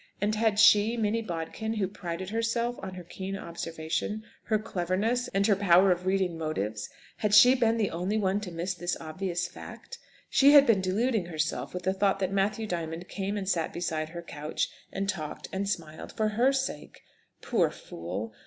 And had she Minnie Bodkin, who prided herself on her keen observation, her cleverness, and her power of reading motives had she been the only one to miss this obvious fact? She had been deluding herself with the thought that Matthew Diamond came and sat beside her couch, and talked, and smiled for her sake! Poor fool!